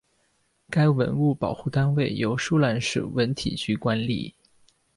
该文物保护单位由舒兰市文体局管理。